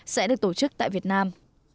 sẽ được tổ chức tại việt nam